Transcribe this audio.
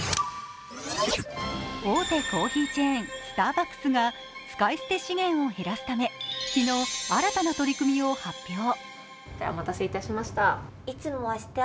大手コーヒーチェーン、スターバックスが使い捨て資源を減らすため、昨日、新たな取り組みを発表。